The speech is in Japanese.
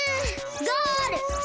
ゴール！